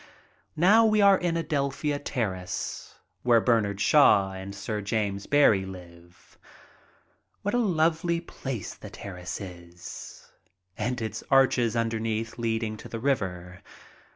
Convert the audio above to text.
Now we are in Adelphia Terrace, where Bernard Shaw and Sir James Barrie live. What a lovely place the terrace is! And its arches underneath leading to the river.